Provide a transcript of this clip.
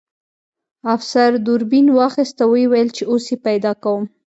افسر دوربین واخیست او ویې ویل چې اوس یې پیدا کوم